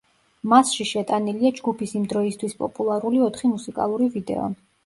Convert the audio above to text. მასში შეტანილია ჯგუფის იმ დროისთვის პოპულარული ოთხი მუსიკალური ვიდეო.